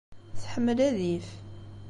Tḥemmel adif.